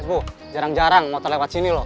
bu jarang jarang motor lewat sini loh